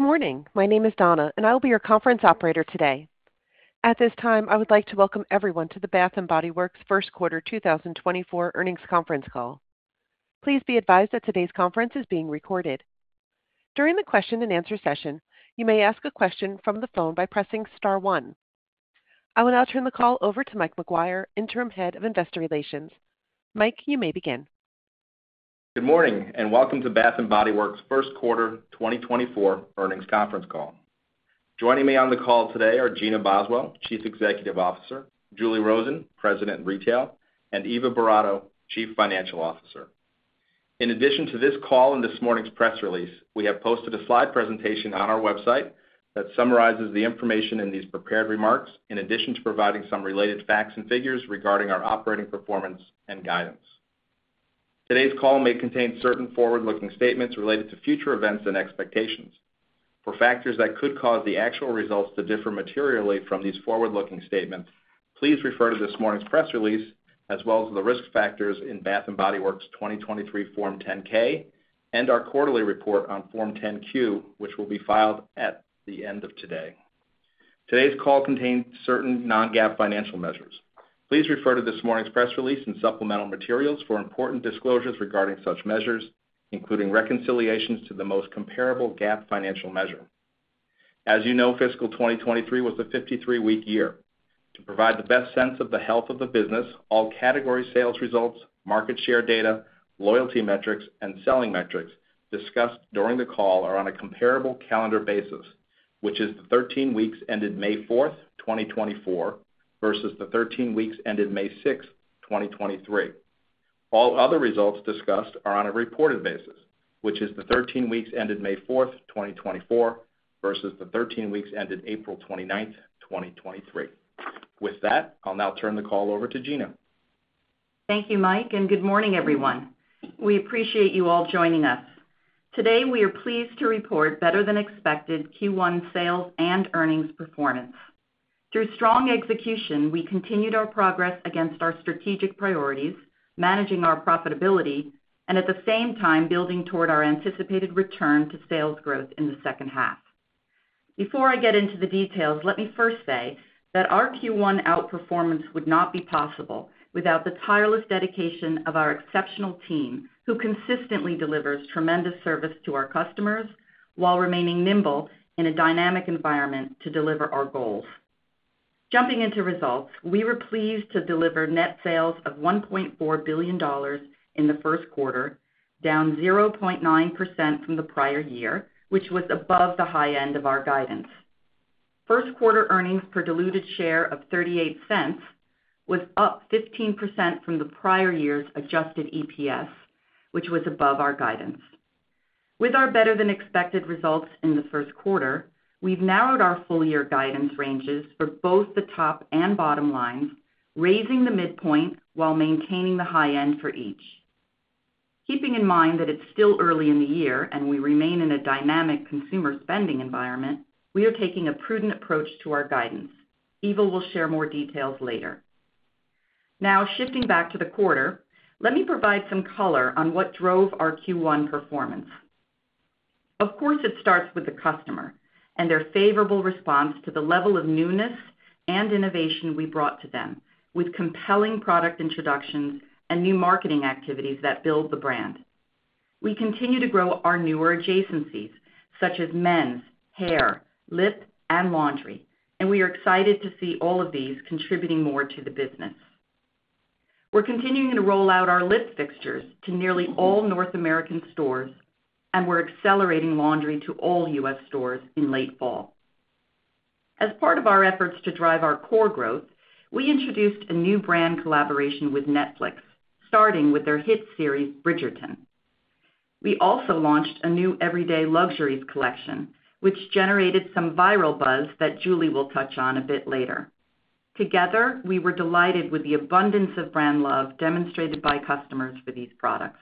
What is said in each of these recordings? Good morning. My name is Donna, and I will be your conference operator today. At this time, I would like to welcome everyone to the Bath & Body Works first quarter 2024 earnings conference call. Please be advised that today's conference is being recorded. During the question and answer session, you may ask a question from the phone by pressing star one. I will now turn the call over to Mike McGuire, Interim Head of Investor Relations. Mike, you may begin. Good morning, and welcome to Bath & Body Works first quarter 2024 earnings conference call. Joining me on the call today are Gina Boswell, Chief Executive Officer, Julie Rosen, President, Retail, and Eva Boratto, Chief Financial Officer. In addition to this call and this morning's press release, we have posted a slide presentation on our website that summarizes the information in these prepared remarks, in addition to providing some related facts and figures regarding our operating performance and guidance. Today's call may contain certain forward-looking statements related to future events and expectations. For factors that could cause the actual results to differ materially from these forward-looking statements, please refer to this morning's press release, as well as the risk factors in Bath & Body Works' 2023 Form 10-K and our quarterly report on Form 10-Q, which will be filed at the end of today. Today's call contains certain non-GAAP financial measures. Please refer to this morning's press release and supplemental materials for important disclosures regarding such measures, including reconciliations to the most comparable GAAP financial measure. As you know, fiscal 2023 was a 53-week year. To provide the best sense of the health of the business, all category sales results, market share data, loyalty metrics, and selling metrics discussed during the call are on a comparable calendar basis, which is the 13 weeks ended May 4, 2024, versus the 13 weeks ended May 6, 2023. All other results discussed are on a reported basis, which is the 13 weeks ended May 4, 2024, versus the 13 weeks ended April 29, 2023. With that, I'll now turn the call over to Gina. Thank you, Mike, and good morning, everyone. We appreciate you all joining us. Today, we are pleased to report better than expected Q1 sales and earnings performance. Through strong execution, we continued our progress against our strategic priorities, managing our profitability, and at the same time, building toward our anticipated return to sales gross in the second half. Before I get into the details, let me first say that our Q1 outperformance would not be possible without the tireless dedication of our exceptional team, who consistently delivers tremendous service to our customers while remaining nimble in a dynamic environment to deliver our goals. Jumping into results, we were pleased to deliver net sales of $1.4 billion in the first quarter, down 0.9% from the prior year, which was above the high end of our guidance. First quarter earnings per diluted share of $0.38 was up 15% from the prior year's adjusted EPS, which was above our guidance. With our better-than-expected results in the first quarter, we've narrowed our full-year guidance ranges for both the top and bottom lines, raising the midpoint while maintaining the high end for each. Keeping in mind that it's still early in the year and we remain in a dynamic consumer spending environment, we are taking a prudent approach to our guidance. Eva will share more details later. Now, shifting back to the quarter, let me provide some color on what drove our Q1 performance. Of course, it starts with the customer and their favorable response to the level of newness and innovation we brought to them, with compelling product introductions and new marketing activities that build the brand. We continue to grow our newer adjacencies, such as men's, hair, lip, and laundry, and we are excited to see all of these contributing more to the business. We're continuing to roll out our lip fixtures to nearly all North American stores, and we're accelerating laundry to all U.S. stores in late fall. As part of our efforts to drive our core gross, we introduced a new brand collaboration with Netflix, starting with their hit series, Bridgerton. We also launched a new Everyday Luxuries collection, which generated some viral buzz that Julie will touch on a bit later. Together, we were delighted with the abundance of brand love demonstrated by customers for these products.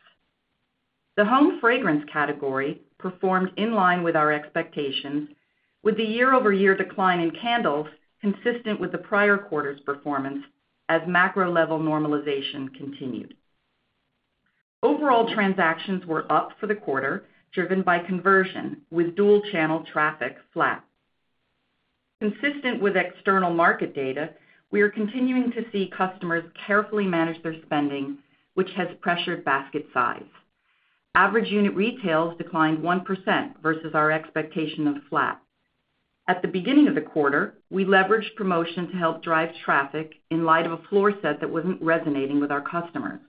The home fragrance category performed in line with our expectations, with the year-over-year decline in candles consistent with the prior quarter's performance as macro-level normalization continued. Overall, transactions were up for the quarter, driven by conversion, with dual-channel traffic flat. Consistent with external market data, we are continuing to see customers carefully manage their spending, which has pressured basket size. Average unit retails declined 1% versus our expectation of flat. At the beginning of the quarter, we leveraged promotion to help drive traffic in light of a floor set that wasn't resonating with our customers.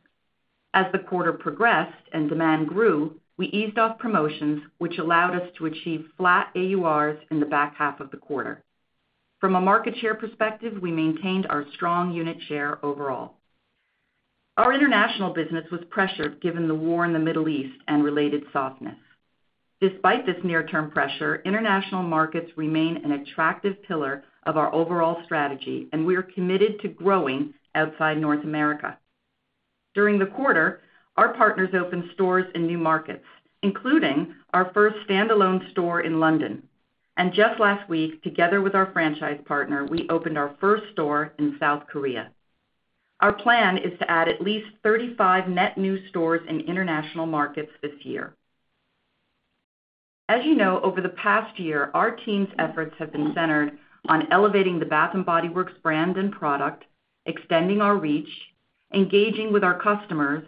As the quarter progressed and demand grew, we eased off promotions, which allowed us to achieve flat AURs in the back half of the quarter. From a market share perspective, we maintained our strong unit share overall. Our international business was pressured, given the war in the Middle East and related softness. Despite this near-term pressure, international markets remain an attractive pillar of our overall strategy, and we are committed to growing outside North America. During the quarter, our partners opened stores in new markets, including our first standalone store in London. And just last week, together with our franchise partner, we opened our first store in South Korea. Our plan is to add at least 35 net new stores in international markets this year. As you know, over the past year, our team's efforts have been centered on elevating the Bath & Body Works brand and product, extending our reach, engaging with our customers,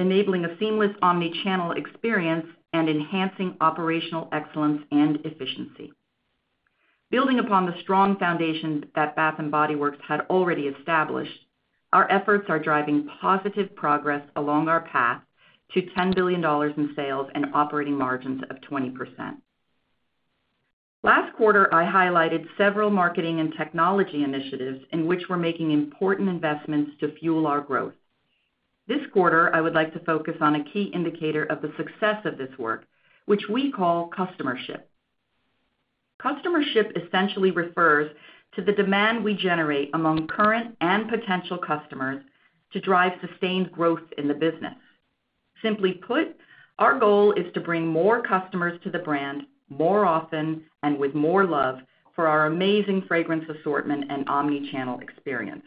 enabling a seamless omni-channel experience, and enhancing operational excellence and efficiency. Building upon the strong foundation that Bath & Body Works had already established, our efforts are driving positive progress along our path to $10 billion in sales and operating margins of 20%. Last quarter, I highlighted several marketing and technology initiatives in which we're making important investments to fuel our growth. This quarter, I would like to focus on a key indicator of the success of this work, which we call customership. Customership essentially refers to the demand we generate among current and potential customers to drive sustained growth in the business. Simply put, our goal is to bring more customers to the brand more often and with more love for our amazing fragrance assortment and omni-channel experience.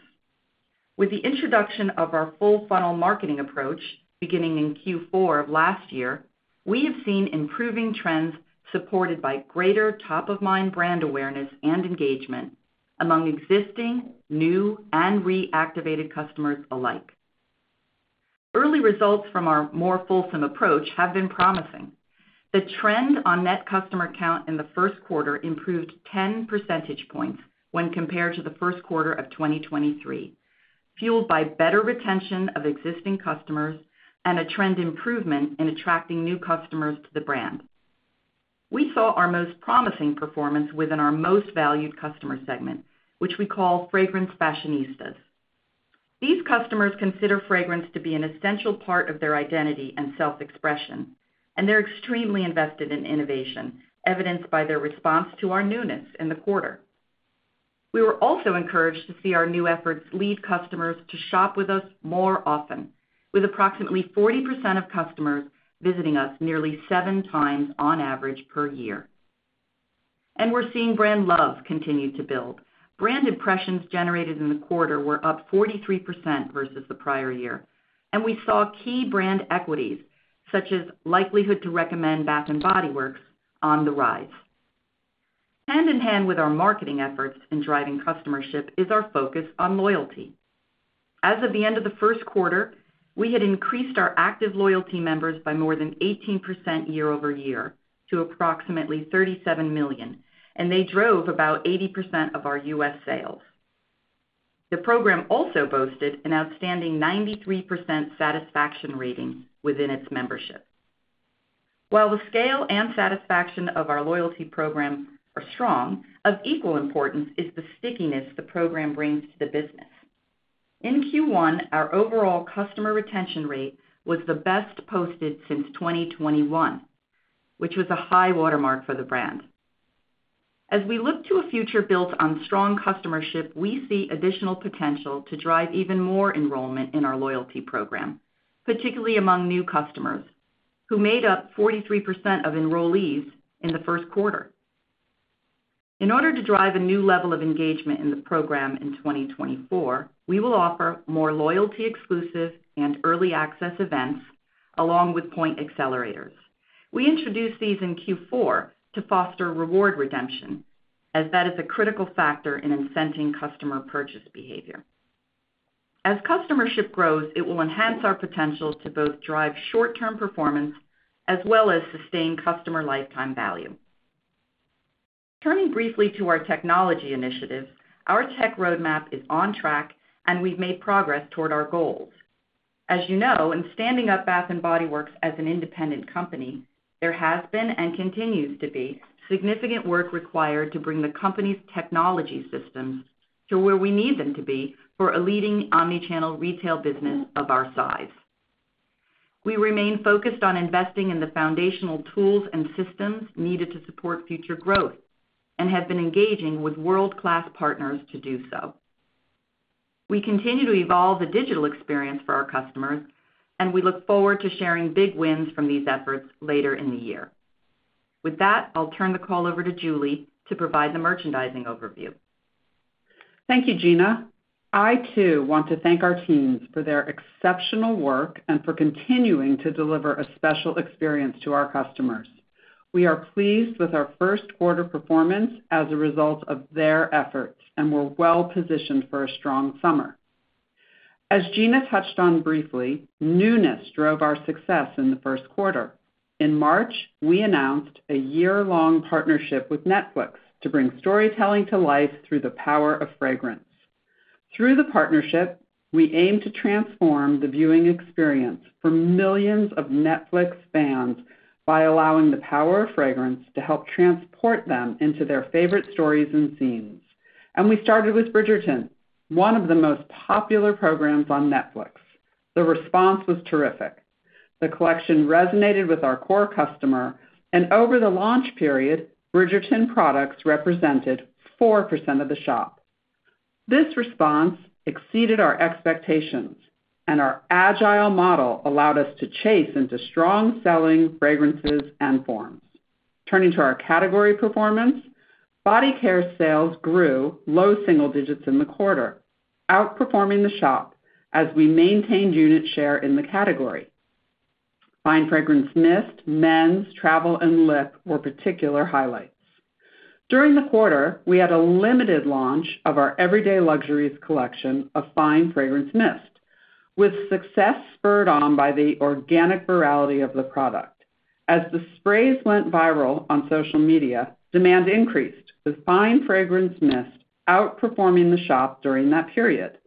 With the introduction of our full funnel marketing approach, beginning in Q4 last year, we have seen improving trends supported by greater top-of-mind brand awareness and engagement among existing, new, and reactivated customers alike. Early results from our more fulsome approach have been promising. The trend on net customer count in the first quarter improved 10 percentage points when compared to the first quarter of 2023, fueled by better retention of existing customers and a trend improvement in attracting new customers to the brand. We saw our most promising performance within our most valued customer segment, which we call Fragrance Fashionistas. These customers consider fragrance to be an essential part of their identity and self-expression, and they're extremely invested in innovation, evidenced by their response to our newness in the quarter. We were also encouraged to see our new efforts lead customers to shop with us more often, with approximately 40% of customers visiting us nearly seven times on average per year. And we're seeing brand love continue to build. Brand impressions generated in the quarter were up 43% versus the prior year, and we saw key brand equities, such as likelihood to recommend Bath & Body Works, on the rise. Hand-in-hand with our marketing efforts in driving customership is our focus on loyalty. As of the end of the first quarter, we had increased our active loyalty members by more than 18% year-over-year to approximately 37 million, and they drove about 80% of our U.S. sales. The program also boasted an outstanding 93% satisfaction rating within its membership. While the scale and satisfaction of our loyalty program are strong, of equal importance is the stickiness the program brings to the business. In Q1, our overall customer retention rate was the best posted since 2021, which was a high watermark for the brand. As we look to a future built on strong customership, we see additional potential to drive even more enrollment in our loyalty program, particularly among new customers, who made up 43% of enrollees in the first quarter. In order to drive a new level of engagement in the program in 2024, we will offer more loyalty exclusive and early access events along with point accelerators. We introduced these in Q4 to foster reward redemption, as that is a critical factor in incenting customer purchase behavior. As customership grows, it will enhance our potential to both drive short-term performance as well as sustain customer lifetime value. Turning briefly to our technology initiatives, our tech roadmap is on track, and we've made progress toward our goals. As you know, in standing up Bath & Body Works as an independent company, there has been and continues to be significant work required to bring the company's technology systems to where we need them to be for a leading omni-channel retail business of our size. We remain focused on investing in the foundational tools and systems needed to support future growth and have been engaging with world-class partners to do so. We continue to evolve the digital experience for our customers, and we look forward to sharing big wins from these efforts later in the year. With that, I'll turn the call over to Julie to provide the merchandising overview. Thank you, Gina. I, too, want to thank our teams for their exceptional work and for continuing to deliver a special experience to our customers. We are pleased with our first quarter performance as a result of their efforts, and we're well-positioned for a strong summer. As Gina touched on briefly, newness drove our success in the first quarter. In March, we announced a year-long partnership with Netflix to bring storytelling to life through the power of fragrance. Through the partnership, we aim to transform the viewing experience for millions of Netflix fans by allowing the power of fragrance to help transport them into their favorite stories and scenes. And we started with Bridgerton, one of the most popular programs on Netflix. The response was terrific. The collection resonated with our core customer, and over the launch period, Bridgerton products represented 4% of the shop. This response exceeded our expectations, and our agile model allowed us to chase into strong-selling fragrances and forms. Turning to our category performance, body care sales grew low single digits in the quarter, outperforming the shop as we maintained unit share in the category. Fine fragrance mist, men's, travel, and lip were particular highlights. During the quarter, we had a limited launch of our Everyday Luxuries collection of fine fragrance mist, with success spurred on by the organic virality of the product. As the sprays went viral on social media, demand increased, with fine fragrance mist outperforming the shop during that period.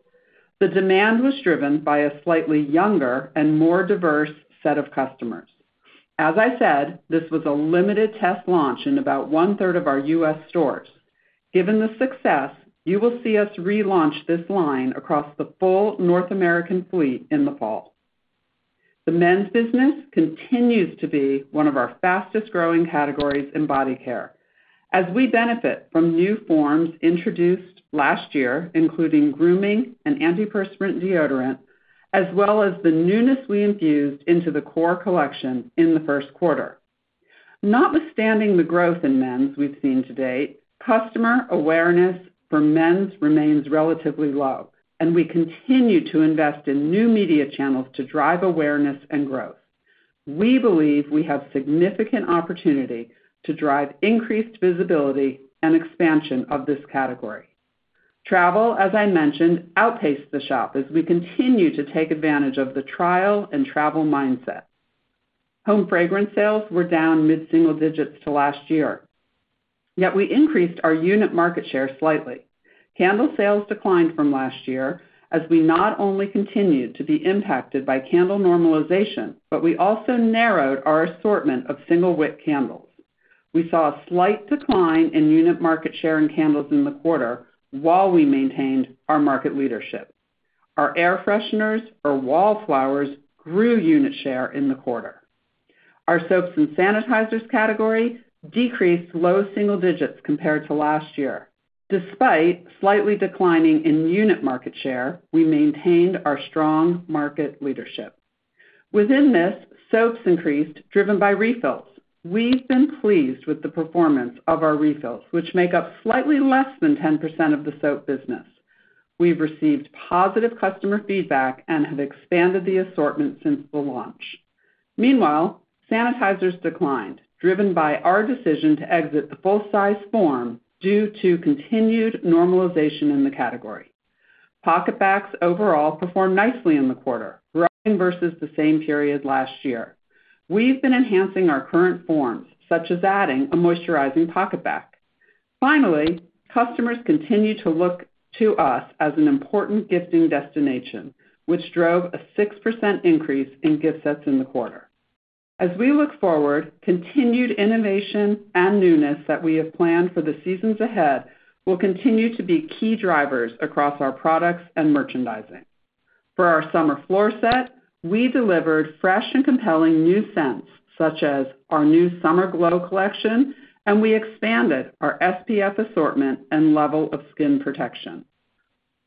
The demand was driven by a slightly younger and more diverse set of customers. As I said, this was a limited test launch in about one-third of our U.S. stores. Given the success, you will see us relaunch this line across the full North American fleet in the fall. The men's business continues to be one of our fastest-growing categories in body care, as we benefit from new forms introduced last year, including grooming and antiperspirant deodorant, as well as the newness we infused into the core collection in the first quarter. Notwithstanding the growth in men's we've seen to date, customer awareness for men's remains relatively low, and we continue to invest in new media channels to drive awareness and growth. We believe we have significant opportunity to drive increased visibility and expansion of this category. Travel, as I mentioned, outpaced the shop as we continue to take advantage of the trial and travel mindset. Home fragrance sales were down mid-single digits to last year, yet we increased our unit market share slightly. Candle sales declined from last year as we not only continued to be impacted by candle normalization, but we also narrowed our assortment of single-wick candles. We saw a slight decline in unit market share in candles in the quarter, while we maintained our market leadership. Our air fresheners or Wallflowers grew unit share in the quarter. Our soaps and sanitizers category decreased low single digits compared to last year. Despite slightly declining in unit market share, we maintained our strong market leadership. Within this, soaps increased, driven by refills. We've been pleased with the performance of our refills, which make up slightly less than 10% of the soap business. We've received positive customer feedback and have expanded the assortment since the launch. Meanwhile, sanitizers declined, driven by our decision to exit the full-size form due to continued normalization in the category. PocketBacs overall performed nicely in the quarter, rising versus the same period last year. We've been enhancing our current forms, such as adding a moisturizing PocketBac. Finally, customers continue to look to us as an important gifting destination, which drove a 6% increase in gift sets in the quarter. As we look forward, continued innovation and newness that we have planned for the seasons ahead will continue to be key drivers across our products and merchandising. For our summer floor set, we delivered fresh and compelling new scents, such as our new Summer Glow collection, and we expanded our SPF assortment and level of skin protection.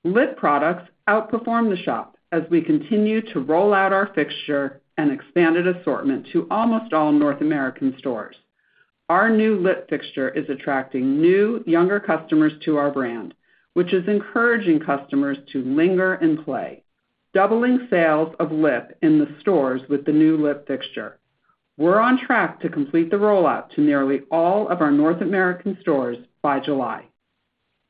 Lip products outperformed the shop as we continue to roll out our fixture and expanded assortment to almost all North American stores. Our new lip fixture is attracting new, younger customers to our brand, which is encouraging customers to linger and play, doubling sales of lip in the stores with the new lip fixture. We're on track to complete the rollout to nearly all of our North American stores by July.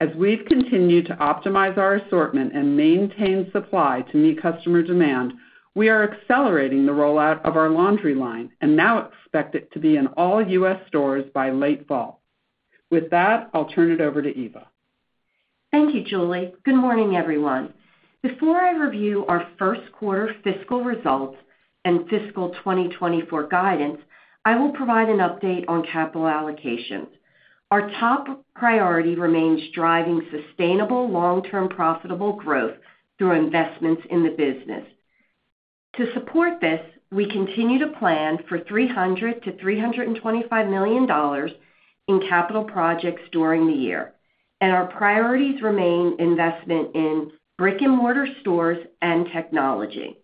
As we've continued to optimize our assortment and maintain supply to meet customer demand, we are accelerating the rollout of our laundry line and now expect it to be in all U.S. stores by late fall. With that, I'll turn it over to Eva. Thank you, Julie. Good morning, everyone. Before I review our first quarter fiscal results and fiscal 2024 guidance, I will provide an update on capital allocation. Our top priority remains driving sustainable, long-term, profitable growth through investments in the business. To support this, we continue to plan for $300 million-$325 million in capital projects during the year, and our priorities remain investment in brick-and-mortar stores and technology.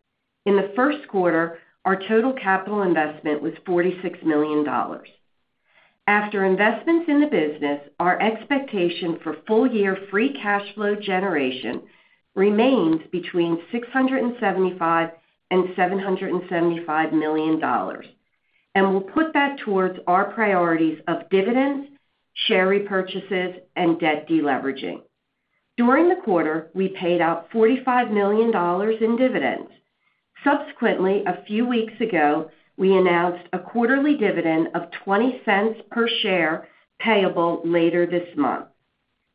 In the first quarter, our total capital investment was $46 million. After investments in the business, our expectation for full-year free cash flow generation remains between $675 million and $775 million, and we'll put that towards our priorities of dividends, share repurchases, and debt deleveraging. During the quarter, we paid out $45 million in dividends. Subsequently, a few weeks ago, we announced a quarterly dividend of $0.20 per share, payable later this month.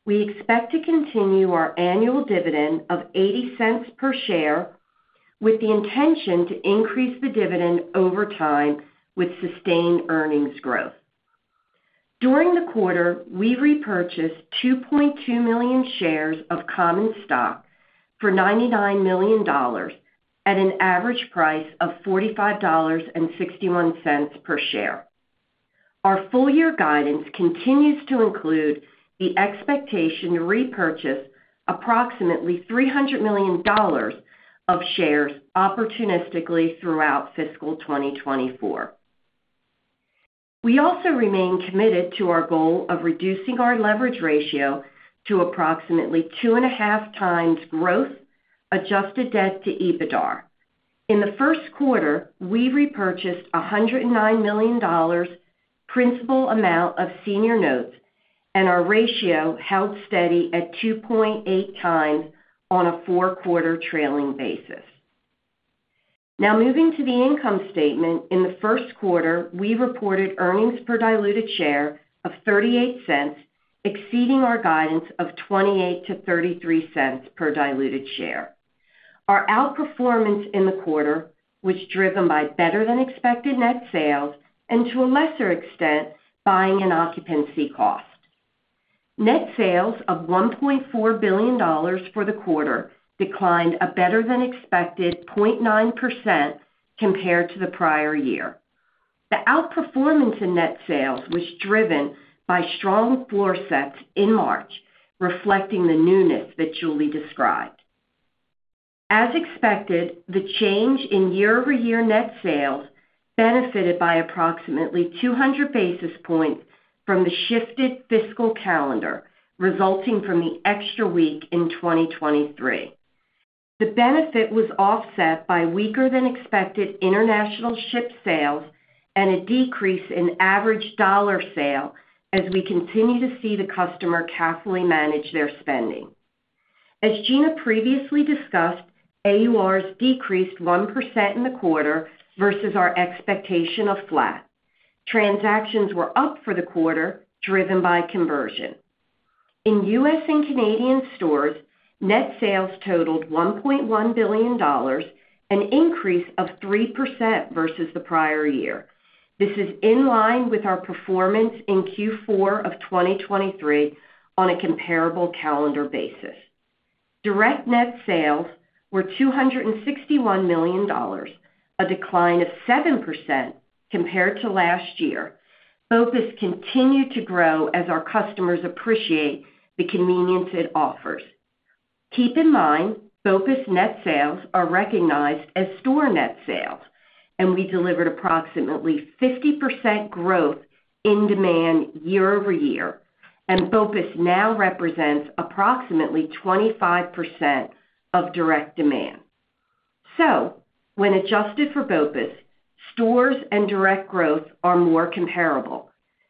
We expect to continue our annual dividend of $0.80 per share, with the intention to increase the dividend over time with sustained earnings growth. During the quarter, we repurchased 2.2 million shares of common stock for $99 million at an average price of $45.61 per share. Our full year guidance continues to include the expectation to repurchase approximately $300 million of shares opportunistically throughout fiscal 2024. We also remain committed to our goal of reducing our leverage ratio to approximately two and a half times growth, adjusted debt to EBITDAR. In the first quarter, we repurchased $109 million principal amount of senior notes, and our ratio held steady at 2.8x on a four-quarter trailing basis. Now, moving to the income statement. In the first quarter, we reported earnings per diluted share of $0.38, exceeding our guidance of $0.28-$0.33 per diluted share. Our outperformance in the quarter was driven by better-than-expected net sales and, to a lesser extent, buying and occupancy cost. Net sales of $1.4 billion for the quarter declined a better-than-expected 0.9% compared to the prior year. The outperformance in net sales was driven by strong floor sets in March, reflecting the newness that Julie described. As expected, the change in year-over-year net sales benefited by approximately 200 basis points from the shifted fiscal calendar, resulting from the extra week in 2023. The benefit was offset by weaker-than-expected international shop sales and a decrease in average dollar sale as we continue to see the customer carefully manage their spending. As Gina previously discussed, AURs decreased 1% in the quarter versus our expectation of flat. Transactions were up for the quarter, driven by conversion. In U.S. and Canadian stores, net sales totaled $1.1 billion, an increase of 3% versus the prior year. This is in line with our performance in Q4 of 2023 on a comparable calendar basis. Direct net sales were $261 million, a decline of 7% compared to last year. BOPUS continued to grow as our customers appreciate the convenience it offers. Keep in mind, BOPUS net sales are recognized as store net sales, and we delivered approximately 50% growth in demand year-over-year, and BOPUS now represents approximately 25% of direct demand. So when adjusted for BOPUS, stores and direct growth are more comparable.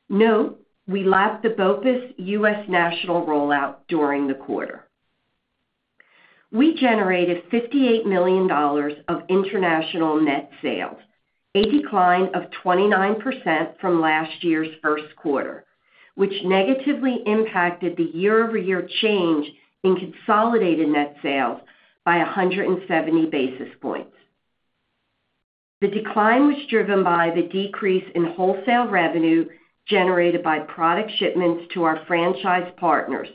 Note, we lapped the BOPUS U.S. national rollout during the quarter. We generated $58 million of international net sales, a decline of 29% from last year's first quarter, which negatively impacted the year-over-year change in consolidated net sales by 170 basis points. The decline was driven by the decrease in wholesale revenue generated by product shipments to our franchise partners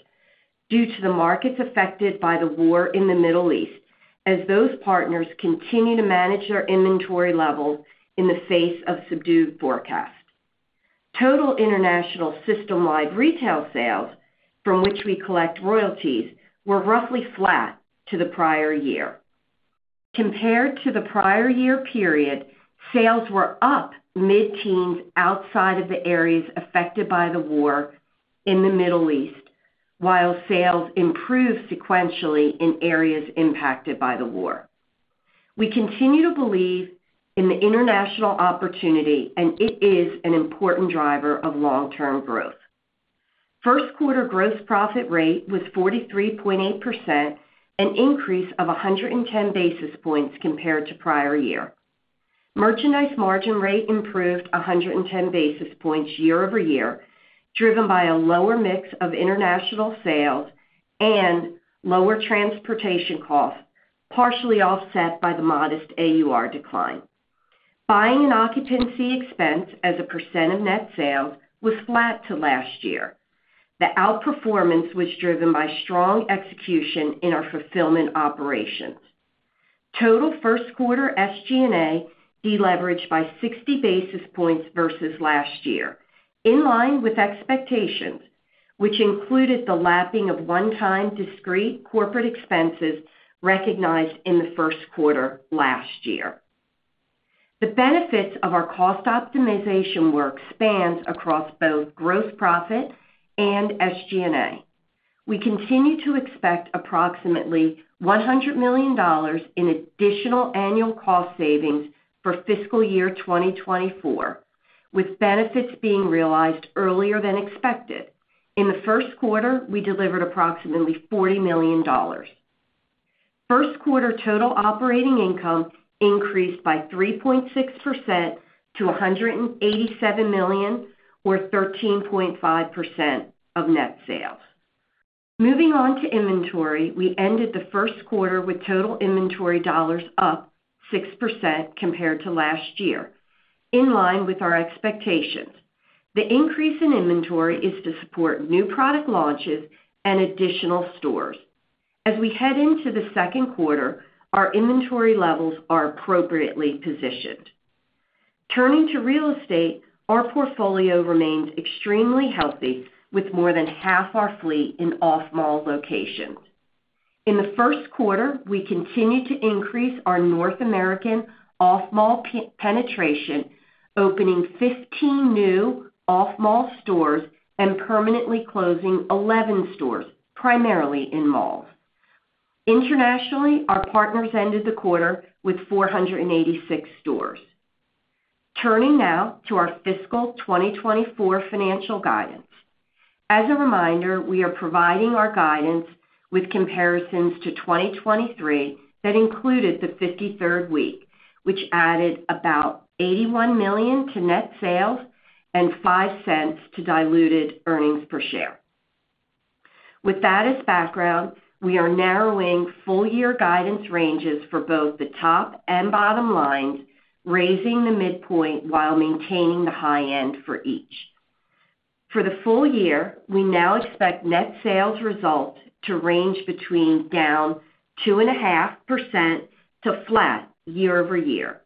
due to the markets affected by the war in the Middle East, as those partners continue to manage their inventory levels in the face of subdued forecasts. Total international system-wide retail sales, from which we collect royalties, were roughly flat to the prior year. Compared to the prior year period, sales were up mid-teens outside of the areas affected by the war in the Middle East, while sales improved sequentially in areas impacted by the war. We continue to believe in the international opportunity, and it is an important driver of long-term growth. First quarter gross profit rate was 43.8%, an increase of 110 basis points compared to prior year. Merchandise margin rate improved 110 basis points year-over-year, driven by a lower mix of international sales and lower transportation costs, partially offset by the modest AUR decline. Buying and occupancy expense as a percent of net sales was flat to last year. The outperformance was driven by strong execution in our fulfillment operations. Total first quarter SG&A deleveraged by 60 basis points versus last year, in line with expectations, which included the lapping of one-time discrete corporate expenses recognized in the first quarter last year. The benefits of our cost optimization work spans across both gross profit and SG&A. We continue to expect approximately $100 million in additional annual cost savings for fiscal year 2024, with benefits being realized earlier than expected. In the first quarter, we delivered approximately $40 million. First quarter total operating income increased by 3.6% million to $187 million, or 13.5% of net sales. Moving on to inventory, we ended the first quarter with total inventory dollars up 6% compared to last year, in line with our expectations. The increase in inventory is to support new product launches and additional stores. As we head into the second quarter, our inventory levels are appropriately positioned. Turning to real estate, our portfolio remains extremely healthy, with more than half our fleet in off-mall locations. In the first quarter, we continued to increase our North American off-mall penetration, opening 15 new off-mall stores and permanently closing 11 stores, primarily in malls. Internationally, our partners ended the quarter with 486 stores. Turning now to our fiscal 2024 financial guidance. As a reminder, we are providing our guidance with comparisons to 2023 that included the 53rd week, which added about $81 million to net sales and $0.05 to diluted earnings per share. With that as background, we are narrowing full-year guidance ranges for both the top and bottom lines, raising the midpoint while maintaining the high end for each. For the full year, we now expect net sales results to range between down 2.5% to flat year-over-year.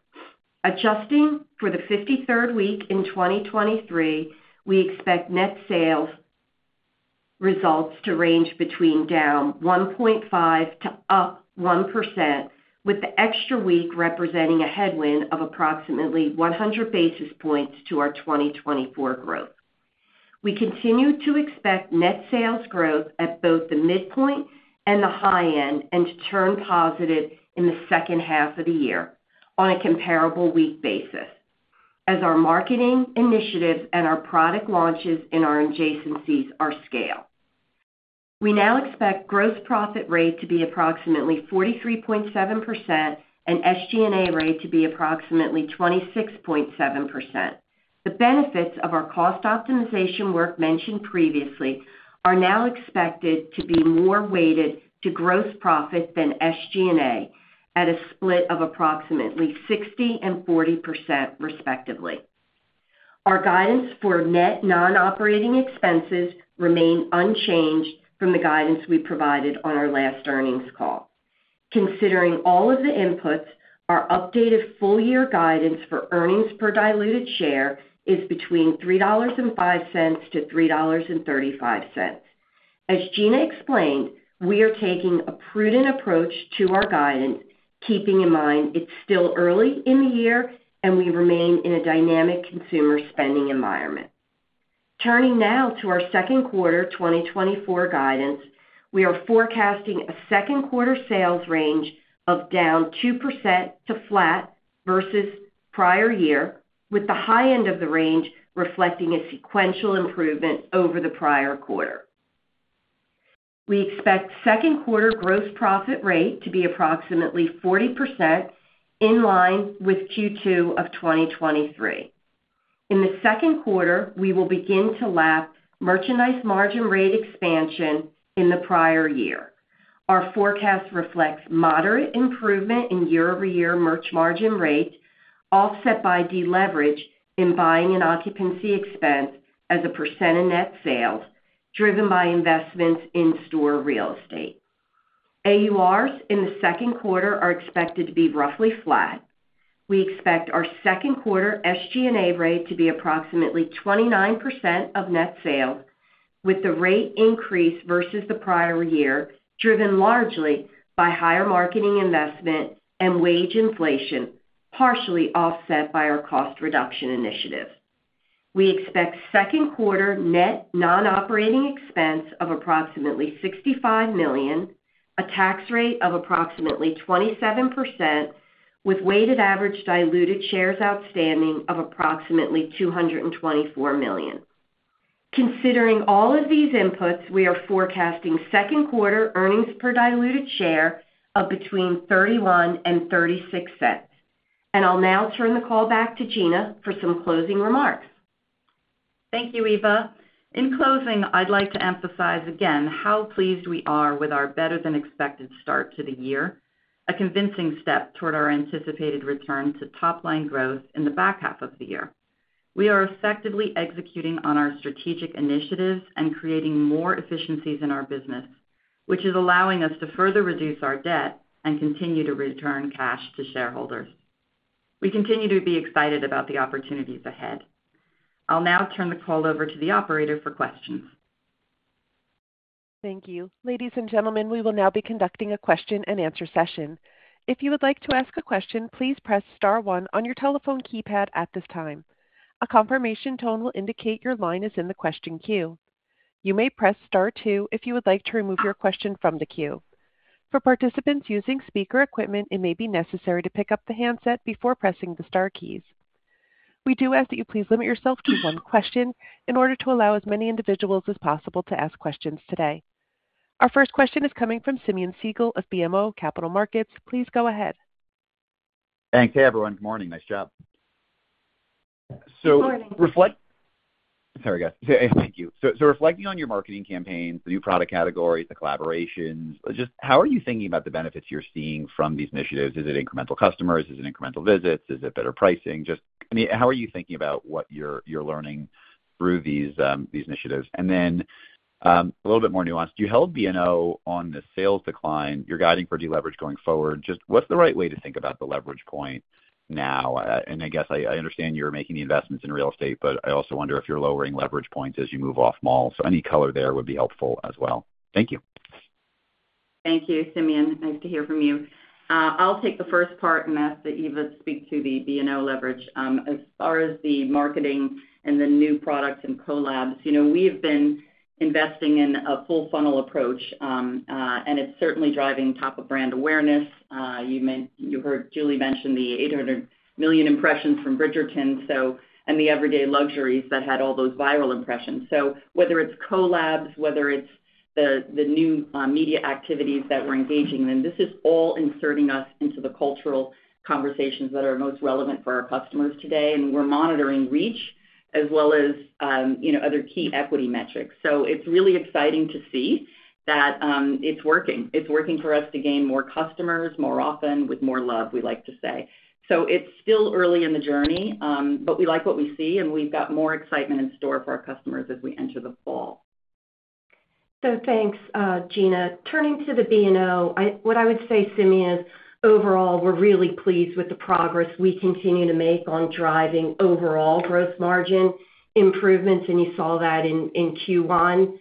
Adjusting for the 53rd week in 2023, we expect net sales results to range between down 1.5% to up 1%, with the extra week representing a headwind of approximately 100 basis points to our 2024 growth. We continue to expect net sales growth at both the midpoint and the high end, and to turn positive in the second half of the year on a comparable week basis as our marketing initiatives and our product launches in our adjacencies are scale. We now expect gross profit rate to be approximately 43.7% and SG&A rate to be approximately 26.7%. The benefits of our cost optimization work mentioned previously are now expected to be more weighted to gross profit than SG&A at a split of approximately 60%-40%, respectively. Our guidance for net non-operating expenses remain unchanged from the guidance we provided on our last earnings call. Considering all of the inputs, our updated full-year guidance for earnings per diluted share is between $3.05-$3.35. As Gina explained, we are taking a prudent approach to our guidance, keeping in mind it's still early in the year and we remain in a dynamic consumer spending environment. Turning now to our second quarter 2024 guidance, we are forecasting a second quarter sales range of down 2% to flat versus prior year, with the high end of the range reflecting a sequential improvement over the prior quarter. We expect second quarter gross profit rate to be approximately 40%, in line with Q2 of 2023. In the second quarter, we will begin to lap merchandise margin rate expansion in the prior year. Our forecast reflects moderate improvement in year-over-year merch margin rate, offset by deleverage in buying and occupancy expense as a percent of net sales, driven by investments in store real estate. AURs in the second quarter are expected to be roughly flat. We expect our second quarter SG&A rate to be approximately 29% of net sales, with the rate increase versus the prior year, driven largely by higher marketing investment and wage inflation, partially offset by our cost reduction initiative. We expect second quarter net non-operating expense of approximately $65 million, a tax rate of approximately 27%, with weighted average diluted shares outstanding of approximately 224 million. Considering all of these inputs, we are forecasting second quarter earnings per diluted share of between $0.31 and $0.36. I'll now turn the call back to Gina for some closing remarks. Thank you, Eva. In closing, I'd like to emphasize again how pleased we are with our better-than-expected start to the year, a convincing step toward our anticipated return to top-line growth in the back half of the year. We are effectively executing on our strategic initiatives and creating more efficiencies in our business, which is allowing us to further reduce our debt and continue to return cash to shareholders. We continue to be excited about the opportunities ahead. I'll now turn the call over to the operator for questions. Thank you. Ladies and gentlemen, we will now be conducting a question-and-answer session. If you would like to ask a question, please press star one on your telephone keypad at this time. A confirmation tone will indicate your line is in the question queue. You may press star two if you would like to remove your question from the queue. For participants using speaker equipment, it may be necessary to pick up the handset before pressing the star keys. We do ask that you please limit yourself to one question in order to allow as many individuals as possible to ask questions today. Our first question is coming from Simeon Siegel of BMO Capital Markets. Please go ahead. Thanks. Hey, everyone. Good morning. Nice job. Good morning. Sorry, guys. Thank you. So, reflecting on your marketing campaigns, the new product categories, the collaborations, just how are you thinking about the benefits you're seeing from these initiatives? Is it incremental customers? Is it incremental visits? Is it better pricing? Just, I mean, how are you thinking about what you're learning through these initiatives? And then- ... A little bit more nuanced. You held B&O on the sales decline. You're guiding for deleverage going forward. Just what's the right way to think about the leverage point now? And I guess I understand you're making the investments in real estate, but I also wonder if you're lowering leverage points as you move off malls. So any color there would be helpful as well. Thank you. Thank you, Simeon. Nice to hear from you. I'll take the first part and ask that Eva speak to the B&O leverage. As far as the marketing and the new products and collabs, you know, we have been investing in a full funnel approach, and it's certainly driving top of brand awareness. You heard Julie mention the 800 million impressions from Bridgerton, so, and the Everyday Luxuries that had all those viral impressions. So whether it's collabs, whether it's the, the new, media activities that we're engaging in, this is all inserting us into the cultural conversations that are most relevant for our customers today, and we're monitoring reach as well as, you know, other key equity metrics. So it's really exciting to see that, it's working. It's working for us to gain more customers more often with more love, we like to say. So it's still early in the journey, but we like what we see, and we've got more excitement in store for our customers as we enter the fall. So thanks, Gina. Turning to the B&O, what I would say, Simeon, is overall, we're really pleased with the progress we continue to make on driving overall gross margin improvements, and you saw that in Q1.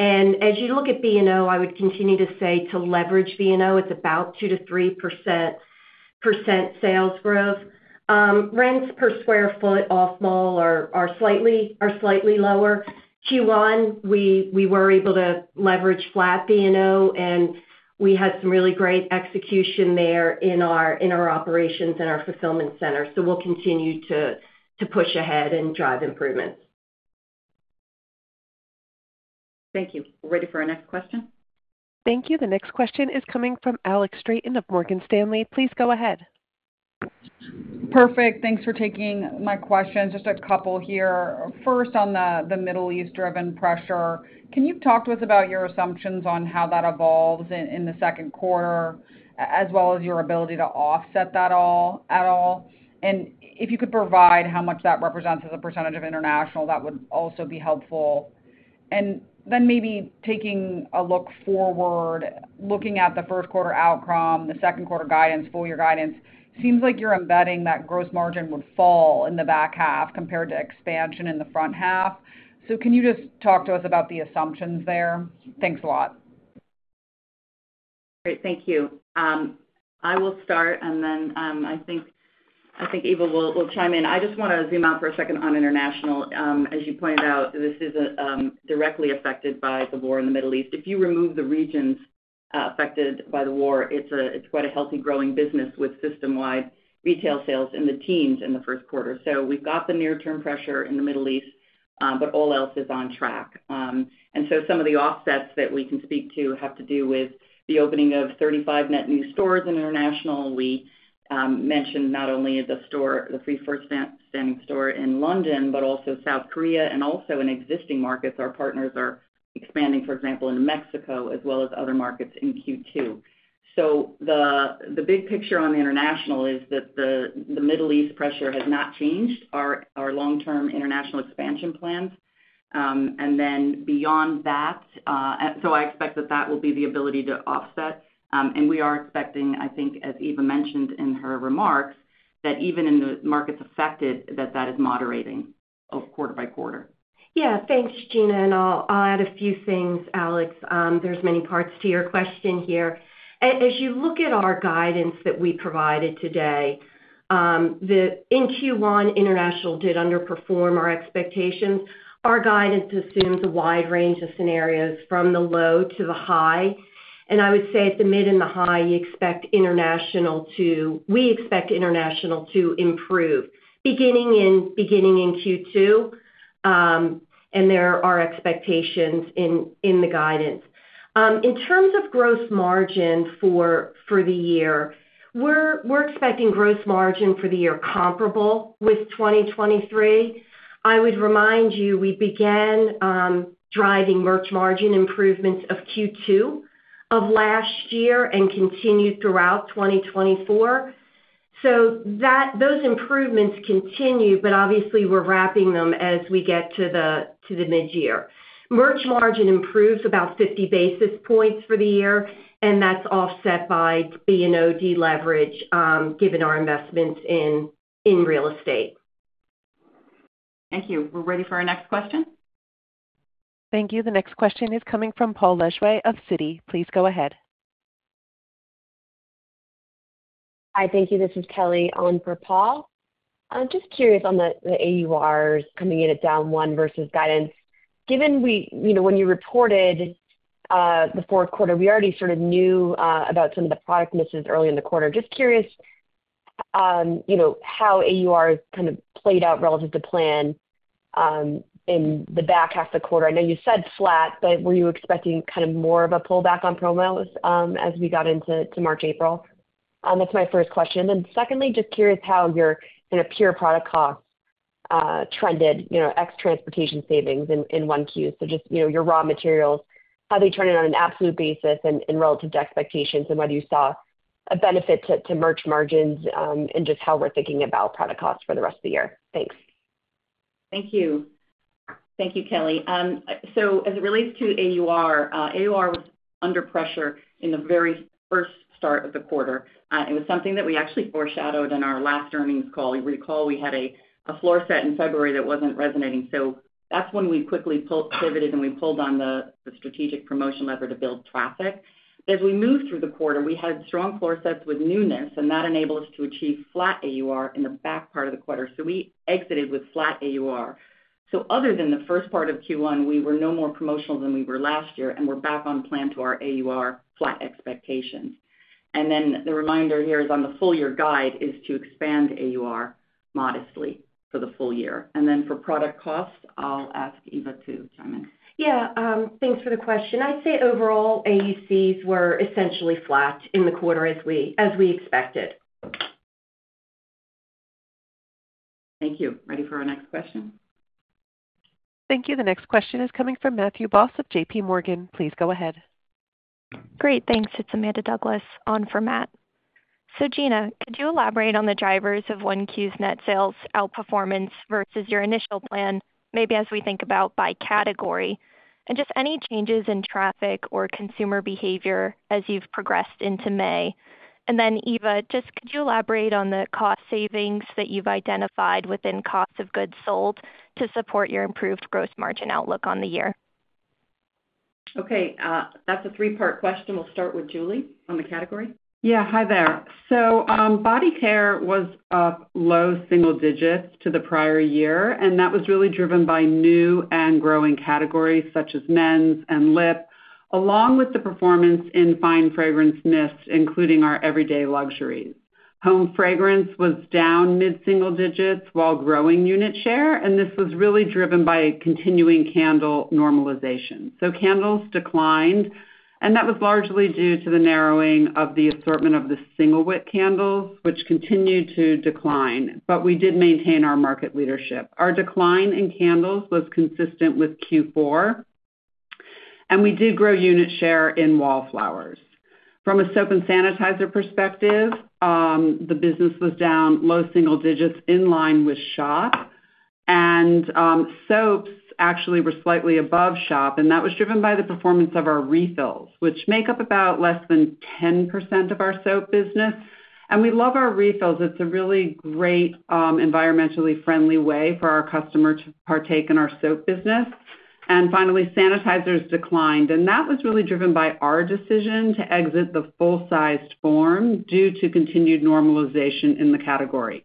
As you look at B&O, I would continue to say to leverage B&O, it's about 2%-3% sales growth. Rents per square foot off mall are slightly lower. Q1, we were able to leverage flat B&O, and we had some really great execution there in our operations and our fulfillment centers. So we'll continue to push ahead and drive improvements. Thank you. We're ready for our next question. Thank you. The next question is coming from Alex Straton of Morgan Stanley. Please go ahead. Perfect. Thanks for taking my questions. Just a couple here. First, on the Middle East-driven pressure, can you talk to us about your assumptions on how that evolves in the second quarter, as well as your ability to offset that at all? And if you could provide how much that represents as a percentage of international, that would also be helpful. And then maybe taking a look forward, looking at the first quarter outcome, the second quarter guidance, full year guidance, seems like you're embedding that gross margin would fall in the back half compared to expansion in the front half. So can you just talk to us about the assumptions there? Thanks a lot. Great, thank you. I will start, and then, I think, I think Eva will, will chime in. I just wanna zoom out for a second on international. As you pointed out, this is directly affected by the war in the Middle East. If you remove the regions affected by the war, it's a, it's quite a healthy, growing business with system-wide retail sales in the teens in the first quarter. So we've got the near-term pressure in the Middle East, but all else is on track. And so some of the offsets that we can speak to have to do with the opening of 35 net new stores in international. We mentioned not only the store, the first standalone store in London, but also South Korea, and also in existing markets. Our partners are expanding, for example, in Mexico, as well as other markets in Q2. So the big picture on international is that the Middle East pressure has not changed our long-term international expansion plans. And then beyond that, so I expect that will be the ability to offset, and we are expecting, I think, as Eva mentioned in her remarks, that even in the markets affected, that is moderating quarter by quarter. Yeah. Thanks, Gina, and I'll, I'll add a few things, Alex. There's many parts to your question here. As you look at our guidance that we provided today, in Q1, international did underperform our expectations. Our guidance assumes a wide range of scenarios from the low to the high, and I would say at the mid and the high, you expect international to-- we expect international to improve, beginning in Q2, and there are expectations in the guidance. In terms of gross margin for the year, we're expecting gross margin for the year comparable with 2023. I would remind you, we began driving merch margin improvements of Q2 of last year and continued throughout 2024. So those improvements continue, but obviously, we're wrapping them as we get to the mid-year. Merch margin improves about 50 basis points for the year, and that's offset by B&O deleverage, given our investments in real estate. Thank you. We're ready for our next question. Thank you. The next question is coming from Paul Lejuez of Citi. Please go ahead. Hi, thank you. This is Kelly on for Paul. I'm just curious on the AURs coming in at down one versus guidance. Given we... You know, when you reported the fourth quarter, we already sort of knew about some of the product misses early in the quarter. Just curious, you know, how AURs kind of played out relative to plan in the back half of the quarter. I know you said flat, but were you expecting kind of more of a pullback on promos as we got into March, April? That's my first question. Then secondly, just curious how your pure product costs trended, you know, ex transportation savings in 1Q. So just, you know, your raw materials, how they turned on an absolute basis and relative to expectations and whether you saw-... a benefit to merch margins, and just how we're thinking about product costs for the rest of the year. Thanks. Thank you. Thank you, Kelly. So as it relates to AUR, AUR was under pressure in the very first start of the quarter. It was something that we actually foreshadowed in our last earnings call. You recall we had a floor set in February that wasn't resonating, so that's when we quickly pivoted, and we pulled on the strategic promotion lever to build traffic. As we moved through the quarter, we had strong floor sets with newness, and that enabled us to achieve flat AUR in the back part of the quarter. So we exited with flat AUR. So other than the first part of Q1, we were no more promotional than we were last year, and we're back on plan to our AUR flat expectations. The reminder here is on the full year guide is to expand AUR modestly for the full year. For product costs, I'll ask Eva to chime in. Yeah, thanks for the question. I'd say overall, AUCs were essentially flat in the quarter as we expected. Thank you. Ready for our next question? Thank you. The next question is coming from Matthew Boss of JP Morgan. Please go ahead. Great, thanks. It's Amanda Douglas on for Matt. So Gina, could you elaborate on the drivers of 1Q's net sales outperformance versus your initial plan, maybe as we think about by category? And just any changes in traffic or consumer behavior as you've progressed into May. And then, Eva, just could you elaborate on the cost savings that you've identified within cost of goods sold to support your improved gross margin outlook on the year? Okay, that's a three-part question. We'll start with Julie on the category. Yeah, hi there. So, body care was up low single digits to the prior year, and that was really driven by new and growing categories, such as men's and lip, along with the performance in fine fragrance mists, including our Everyday Luxuries. Home fragrance was down mid-single digits while growing unit share, and this was really driven by continuing candle normalization. So candles declined, and that was largely due to the narrowing of the assortment of the single-wick candles, which continued to decline, but we did maintain our market leadership. Our decline in candles was consistent with Q4, and we did grow unit share in Wallflowers. From a soap and sanitizer perspective, the business was down low single digits, in line with shop. Soaps actually were slightly above shop, and that was driven by the performance of our refills, which make up about less than 10% of our soap business. We love our refills. It's a really great, environmentally friendly way for our customers to partake in our soap business. Finally, sanitizers declined, and that was really driven by our decision to exit the full-sized form due to continued normalization in the category.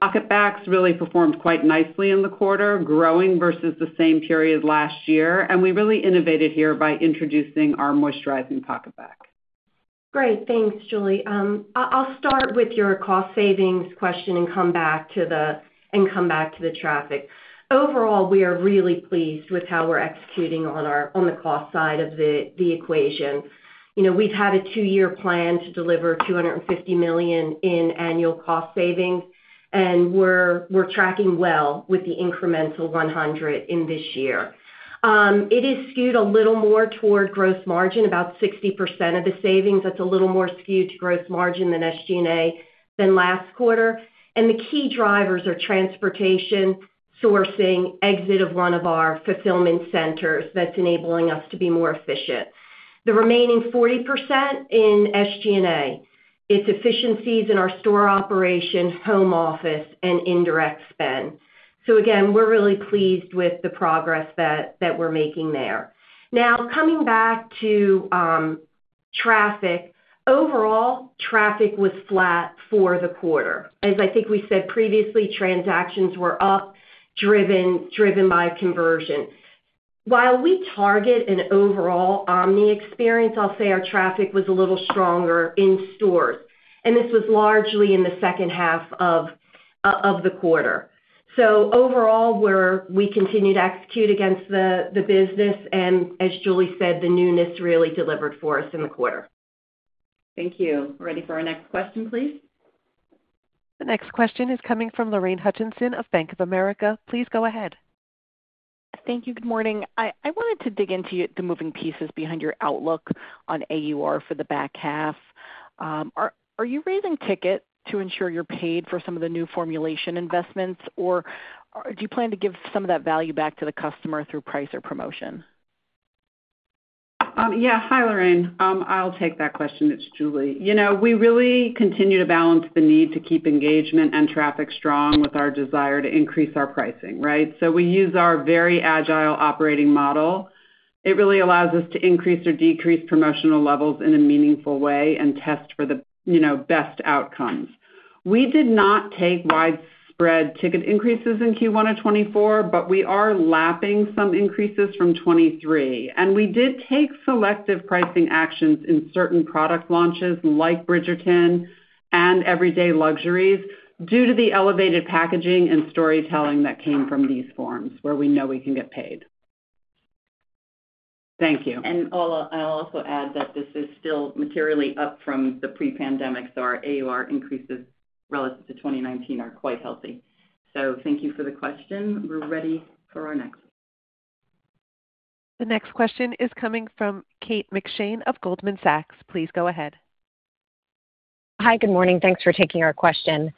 PocketBac really performed quite nicely in the quarter, growing versus the same period last year, and we really innovated here by introducing our moisturizing PocketBac. Great. Thanks, Julie. I'll start with your cost savings question and come back to the traffic. Overall, we are really pleased with how we're executing on the cost side of the equation. You know, we've had a two-year plan to deliver $250 million in annual cost savings, and we're tracking well with the incremental $100 million this year. It is skewed a little more toward gross margin, about 60% of the savings. That's a little more skewed to gross margin than SG&A than last quarter. And the key drivers are transportation, sourcing, exit of one of our fulfillment centers that's enabling us to be more efficient. The remaining 40% in SG&A, it's efficiencies in our store operation, home office, and indirect spend. So again, we're really pleased with the progress that we're making there. Now, coming back to traffic. Overall, traffic was flat for the quarter. As I think we said previously, transactions were up, driven by conversion. While we target an overall omni experience, I'll say our traffic was a little stronger in stores, and this was largely in the second half of the quarter. So overall, we continue to execute against the business, and as Julie said, the newness really delivered for us in the quarter. Thank you. We're ready for our next question, please. The next question is coming from Lorraine Hutchinson of Bank of America. Please go ahead. Thank you. Good morning. I wanted to dig into the moving pieces behind your outlook on AUR for the back half. Are you raising ticket to ensure you're paid for some of the new formulation investments, or do you plan to give some of that value back to the customer through price or promotion? Yeah. Hi, Lorraine. I'll take that question. It's Julie. You know, we really continue to balance the need to keep engagement and traffic strong with our desire to increase our pricing, right? So we use our very agile operating model. It really allows us to increase or decrease promotional levels in a meaningful way and test for the, you know, best outcomes. We did not take widespread ticket increases in Q1 of 2024, but we are lapping some increases from 2023, and we did take selective pricing actions in certain product launches, like Bridgerton and Everyday Luxuries, due to the elevated packaging and storytelling that came from these forms, where we know we can get paid. Thank you. And I'll also add that this is still materially up from the pre-pandemic, so our AUR increases relative to 2019 are quite healthy. So thank you for the question. We're ready for our next question. The next question is coming from Kate McShane of Goldman Sachs. Please go ahead. Hi, good morning. Thanks for taking our question.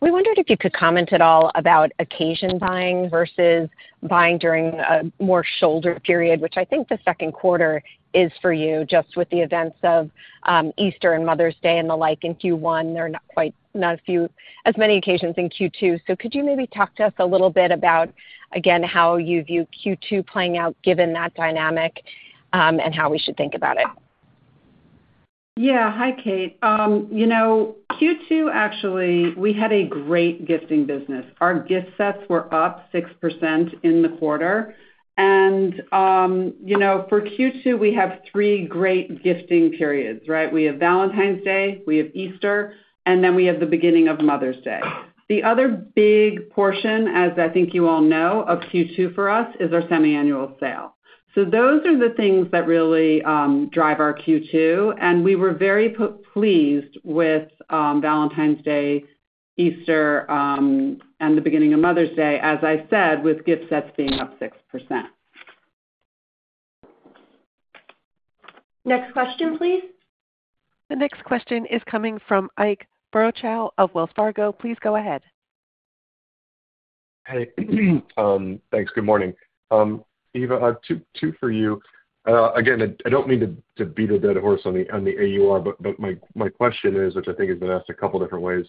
We wondered if you could comment at all about occasion buying versus buying during a more shoulder period, which I think the second quarter is for you, just with the events of Easter and Mother's Day and the like, in Q1, there are not quite as many occasions in Q2. So could you maybe talk to us a little bit about, again, how you view Q2 playing out, given that dynamic, and how we should think about it? Yeah. Hi, Kate. You know, Q2, actually, we had a great gifting business. Our gift sets were up 6% in the quarter, and, you know, for Q2, we have three great gifting periods, right? We have Valentine's Day, we have Easter, and then we have the beginning of Mother's Day. The other big portion, as I think you all know, of Q2 for us, is our Semi-Annual Sale. So those are the things that really drive our Q2, and we were very pleased with Valentine's Day, Easter, and the beginning of Mother's Day, as I said, with gift sets being up 6%. Next question, please. The next question is coming from Ike Borochow of Wells Fargo. Please go ahead. Hey, thanks. Good morning. Eva, I have two for you. Again, I don't mean to beat a dead horse on the AUR, but my question is, which I think has been asked a couple different ways,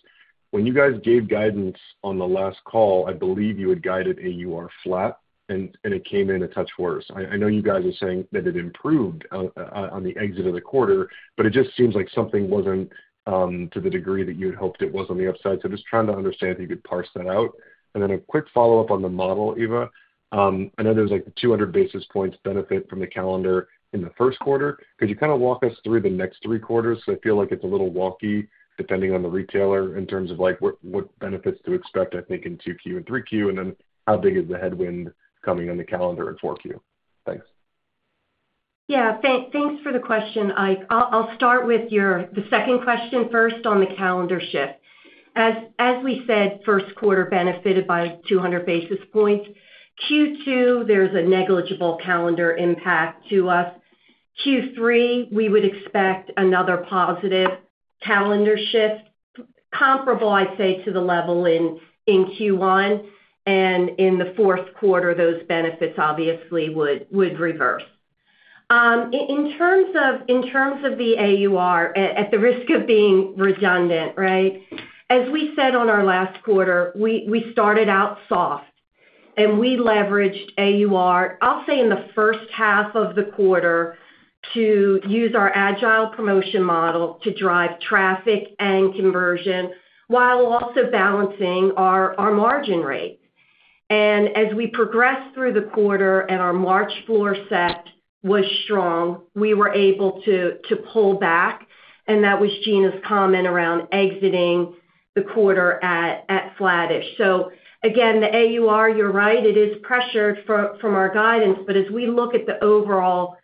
when you guys gave guidance on the last call, I believe you had guided AUR flat, and it came in a touch worse. I know you guys are saying that it improved on the exit of the quarter, but it just seems like something wasn't to the degree that you had hoped it was on the upside. So just trying to understand if you could parse that out. And then a quick follow-up on the model, Eva. I know there's, like, 200 basis points benefit from the calendar in the first quarter. Could you kind of walk us through the next three quarters? So I feel like it's a little wonky, depending on the retailer, in terms of, like, what, what benefits to expect, I think, in 2Q and 3Q, and then how big is the headwind coming in the calendar 4Q? Thanks. Yeah, thanks for the question, Ike. I'll start with your second question first on the calendar shift. As we said, first quarter benefited by 200 basis points. Q2, there's a negligible calendar impact to us. Q3, we would expect another positive calendar shift, comparable, I'd say, to the level in Q1, and in the fourth quarter, those benefits obviously would reverse. In terms of the AUR, at the risk of being redundant, right? As we said on our last quarter, we started out soft, and we leveraged AUR, I'll say, in the first half of the quarter, to use our agile promotion model to drive traffic and conversion while also balancing our margin rates. As we progressed through the quarter and our March floor set was strong, we were able to pull back, and that was Gina's comment around exiting the quarter at flattish. So again, the AUR, you're right, it is pressured from our guidance, but as we look at the overall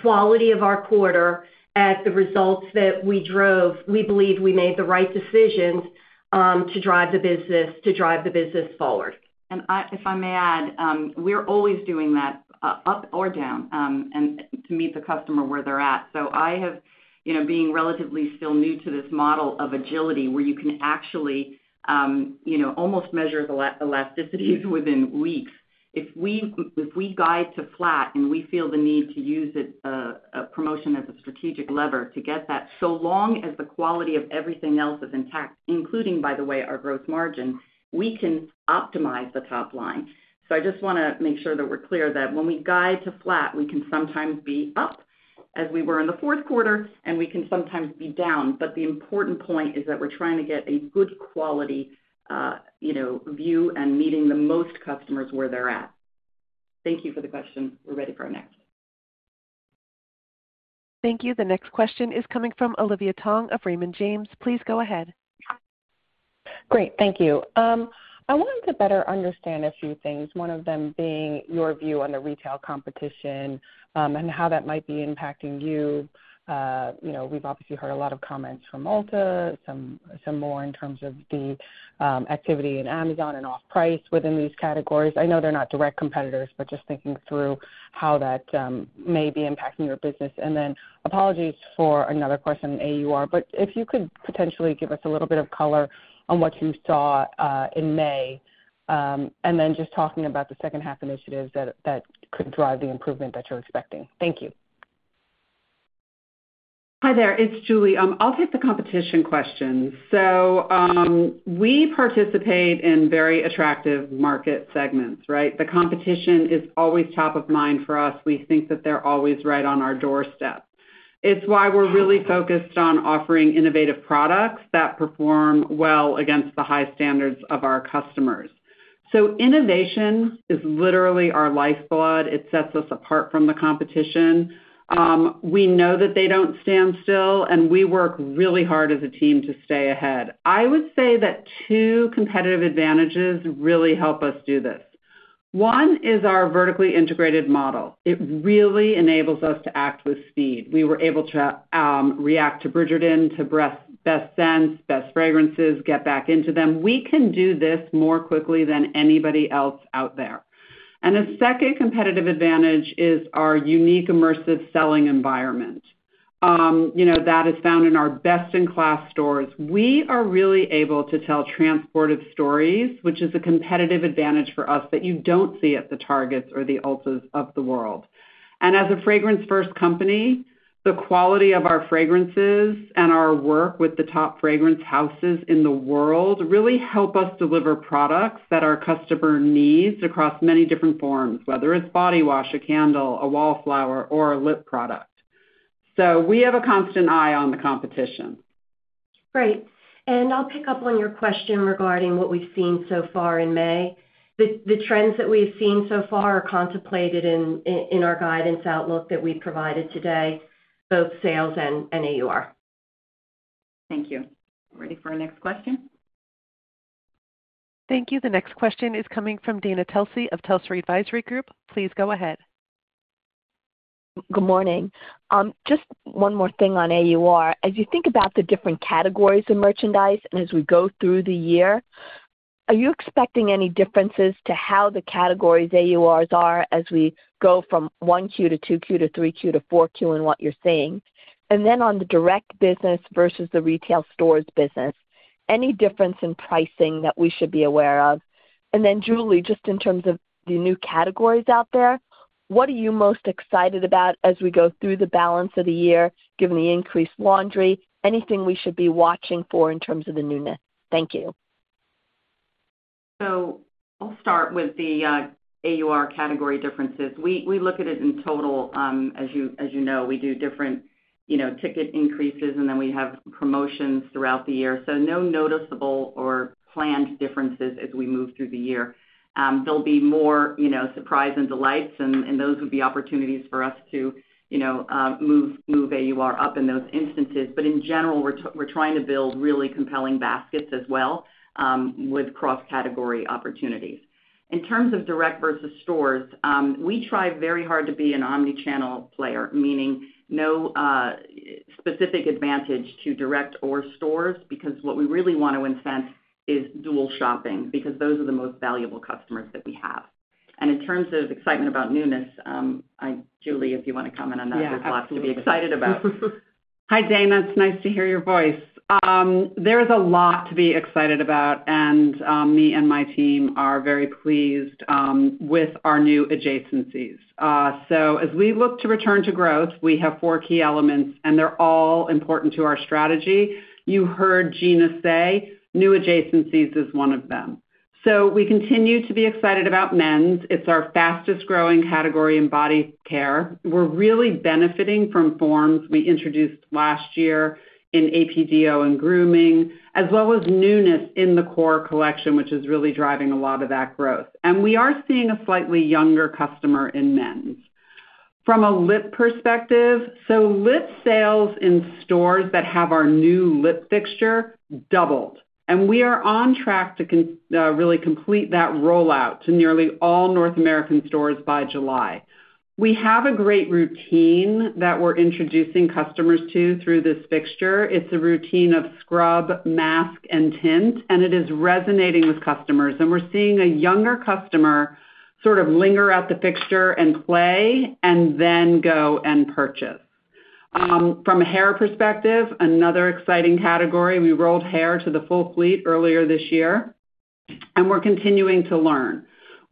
quality of our quarter, at the results that we drove, we believe we made the right decisions to drive the business, to drive the business forward. If I may add, we're always doing that up or down, and to meet the customer where they're at. So I have, you know, being relatively still new to this model of agility, where you can actually, you know, almost measure elasticity within weeks. If we guide to flat and we feel the need to use a promotion as a strategic lever to get that, so long as the quality of everything else is intact, including, by the way, our growth margin, we can optimize the top line. So I just wanna make sure that we're clear that when we guide to flat, we can sometimes be up, as we were in the fourth quarter, and we can sometimes be down. But the important point is that we're trying to get a good quality, you know, view and meeting the most customers where they're at. Thank you for the question. We're ready for our next. Thank you. The next question is coming from Olivia Tong of Raymond James. Please go ahead. Great. Thank you. I wanted to better understand a few things, one of them being your view on the retail competition, and how that might be impacting you. You know, we've obviously heard a lot of comments from Ulta, some more in terms of the activity in Amazon and off-price within these categories. I know they're not direct competitors, but just thinking through how that may be impacting your business. And then apologies for another question on AUR, but if you could potentially give us a little bit of color on what you saw in May, and then just talking about the second-half initiatives that could drive the improvement that you're expecting. Thank you. Hi there, it's Julie. I'll take the competition question. So, we participate in very attractive market segments, right? The competition is always top of mind for us. We think that they're always right on our doorstep. It's why we're really focused on offering innovative products that perform well against the high standards of our customers. So innovation is literally our lifeblood. It sets us apart from the competition. We know that they don't stand still, and we work really hard as a team to stay ahead. I would say that two competitive advantages really help us do this. One is our vertically integrated model. It really enables us to act with speed. We were able to react to Bridgerton, to best scents, best fragrances, get back into them. We can do this more quickly than anybody else out there. The second competitive advantage is our unique immersive selling environment.... you know, that is found in our best-in-class stores. We are really able to tell transportive stories, which is a competitive advantage for us that you don't see at the Targets or the Ultas of the world. And as a fragrance-first company, the quality of our fragrances and our work with the top fragrance houses in the world really help us deliver products that our customer needs across many different forms, whether it's body wash, a candle, a wallflower, or a lip product. So we have a constant eye on the competition. Great. I'll pick up on your question regarding what we've seen so far in May. The trends that we've seen so far are contemplated in our guidance outlook that we provided today, both sales and AUR. Thank you. Ready for our next question? Thank you. The next question is coming from Dana Telsey of Telsey Advisory Group. Please go ahead. Good morning. Just one more thing on AUR. As you think about the different categories of merchandise and as we go through the year, are you expecting any differences to how the categories AURs are as we go from one Q to two Q to three Q to four Q in what you're seeing? And then on the direct business versus the retail stores business, any difference in pricing that we should be aware of? And then, Julie, just in terms of the new categories out there, what are you most excited about as we go through the balance of the year, given the increased laundry? Anything we should be watching for in terms of the newness? Thank you. So I'll start with the AUR category differences. We look at it in total, as you know, we do different ticket increases, and then we have promotions throughout the year. So no noticeable or planned differences as we move through the year. There'll be more surprise and delights, and those would be opportunities for us to move AUR up in those instances. But in general, we're trying to build really compelling baskets as well, with cross-category opportunities. In terms of direct versus stores, we try very hard to be an omni-channel player, meaning no specific advantage to direct or stores, because what we really want to incent is dual shopping, because those are the most valuable customers that we have. In terms of excitement about newness, Julie, if you want to comment on that, there's lots to be excited about. Hi, Dana. It's nice to hear your voice. There is a lot to be excited about, and me and my team are very pleased with our new adjacencies. So as we look to return to growth, we have four key elements, and they're all important to our strategy. You heard Gina say new adjacencies is one of them. So we continue to be excited about men's. It's our fastest-growing category in body care. We're really benefiting from forms we introduced last year in AP/Deo and grooming, as well as newness in the core collection, which is really driving a lot of that growth. And we are seeing a slightly younger customer in men's. From a lip perspective, so lip sales in stores that have our new lip fixture doubled, and we are on track to really complete that rollout to nearly all North American stores by July. We have a great routine that we're introducing customers to through this fixture. It's a routine of scrub, mask, and tint, and it is resonating with customers. And we're seeing a younger customer sort of linger at the fixture and play and then go and purchase. From a hair perspective, another exciting category, we rolled hair to the full fleet earlier this year, and we're continuing to learn.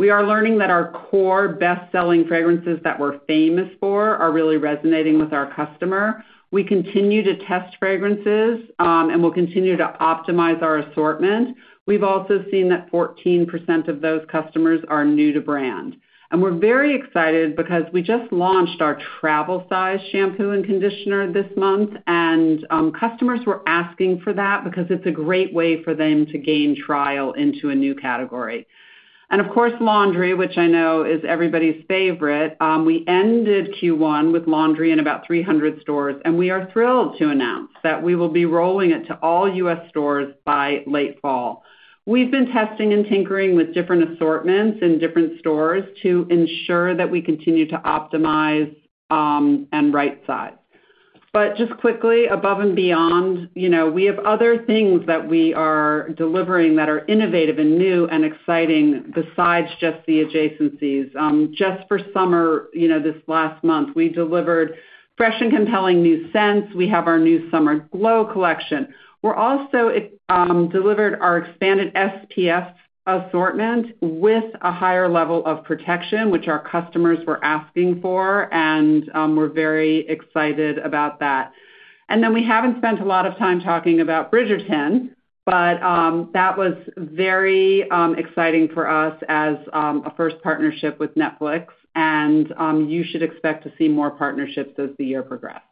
We are learning that our core best-selling fragrances that we're famous for are really resonating with our customer. We continue to test fragrances, and we'll continue to optimize our assortment. We've also seen that 14% of those customers are new to brand. We're very excited because we just launched our travel size shampoo and conditioner this month, and customers were asking for that because it's a great way for them to gain trial into a new category. And of course, laundry, which I know is everybody's favorite. We ended Q1 with laundry in about 300 stores, and we are thrilled to announce that we will be rolling it to all U.S. stores by late fall. We've been testing and tinkering with different assortments in different stores to ensure that we continue to optimize and right size. But just quickly, above and beyond, you know, we have other things that we are delivering that are innovative and new and exciting besides just the adjacencies. Just for summer, you know, this last month, we delivered fresh and compelling new scents. We have our new Summer Glow collection. We're also delivered our expanded SPF assortment with a higher level of protection, which our customers were asking for, and we're very excited about that. And then we haven't spent a lot of time talking about Bridgerton, but that was very exciting for us as a first partnership with Netflix, and you should expect to see more partnerships as the year progressed.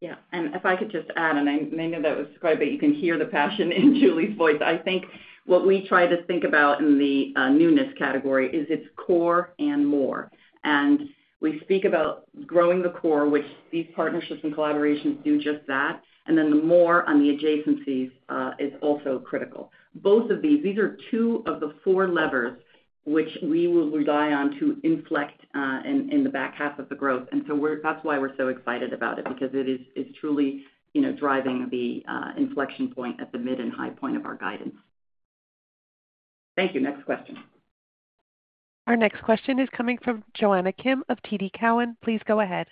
Yeah. And if I could just add, I know that was great, but you can hear the passion in Julie's voice. I think what we try to think about in the newness category is it's core and more. And we speak about growing the core, which these partnerships and collaborations do just that. And then the more on the adjacencies is also critical. Both of these, these are two of the four levers which we will rely on to inflect in the back half of the growth. And so we're. That's why we're so excited about it, because it is, it's truly, you know, driving the inflection point at the mid and high point of our guidance. Thank you. Next question. Our next question is coming from Jonna Kim of TD Cowen. Please go ahead.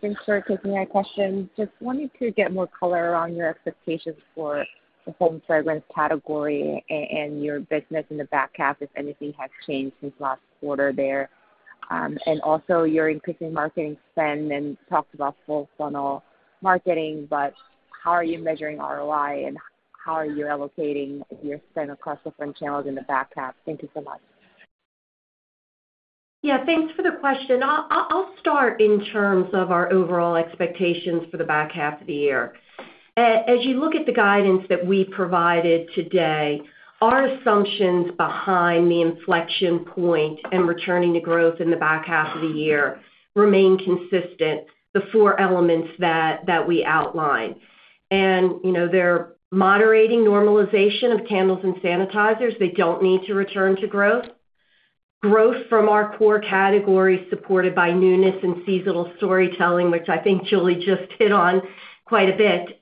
Thanks for taking my question. Just wanted to get more color around your expectations for the home fragrance category and your business in the back half, if anything has changed since last quarter there. Also you're increasing marketing spend and talked about full funnel marketing, but how are you measuring ROI, and how are you allocating your spend across different channels in the back half? Thank you so much. Yeah, thanks for the question. I'll start in terms of our overall expectations for the back half of the year. As you look at the guidance that we provided today, our assumptions behind the inflection point and returning to growth in the back half of the year remain consistent, the four elements that we outlined. And, you know, they're moderating normalization of candles and sanitizers. They don't need to return to growth. Growth from our core categories, supported by newness and seasonal storytelling, which I think Julie just hit on quite a bit.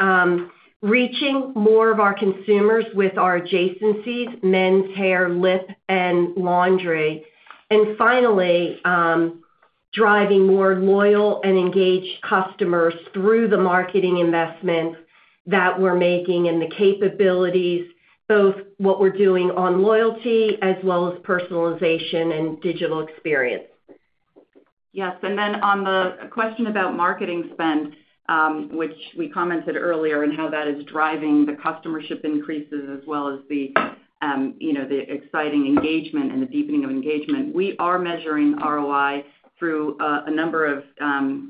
Reaching more of our consumers with our adjacencies, men's hair, lip, and laundry. And finally, driving more loyal and engaged customers through the marketing investments that we're making and the capabilities, both what we're doing on loyalty as well as personalization and digital experience. Yes, and then on the question about marketing spend, which we commented earlier on how that is driving the customership increases as well as the, you know, the exciting engagement and the deepening of engagement. We are measuring ROI through a number of,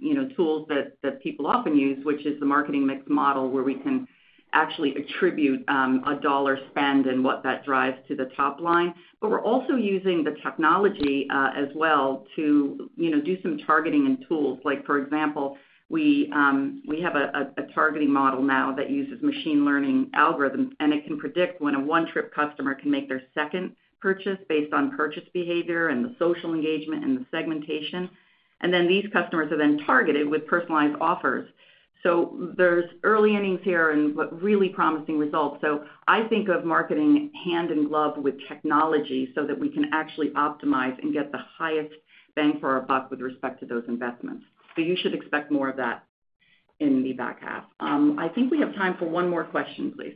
you know, tools that people often use, which is the Marketing Mix Model, where we can actually attribute a dollar spend and what that drives to the top line. But we're also using the technology as well to, you know, do some targeting and tools. Like, for example, we have a targeting model now that uses machine learning algorithms, and it can predict when a one-trip customer can make their second purchase based on purchase behavior and the social engagement and the segmentation. And then these customers are targeted with personalized offers. So there's early innings here and but really promising results. So I think of marketing hand in glove with technology so that we can actually optimize and get the highest bang for our buck with respect to those investments. So you should expect more of that in the back half. I think we have time for one more question, please.